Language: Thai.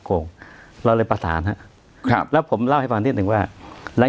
โกงเราเลยประสานฮะครับแล้วผมเล่าให้ฟังนิดหนึ่งว่าหลาย